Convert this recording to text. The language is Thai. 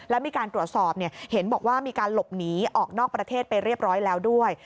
แล้วมีการตรวจสอบเห็นบอกว่ามีการหลบหนีออกนอกประเทศไปเรียบร้อยแล้วด้วย